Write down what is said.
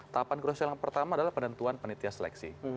tahapan krusial yang pertama adalah penentuan penitia seleksi